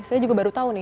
saya juga baru tau nih